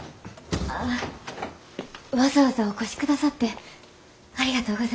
ああわざわざお越しくださってありがとうございます。